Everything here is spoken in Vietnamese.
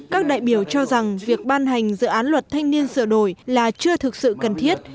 các đại biểu cho rằng việc ban hành dự án luật thanh niên sửa đổi là chưa thực sự cần thiết